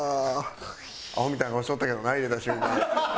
アホみたいな顔しとったけどな入れた瞬間。